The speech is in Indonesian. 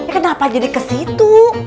kenapa jadi kesitu